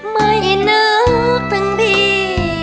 ไม่ให้นึกถึงดี